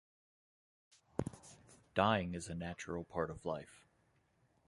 Dying is a natural part of life.